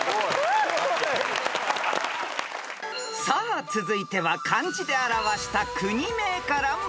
［さあ続いては漢字で表した国名から問題］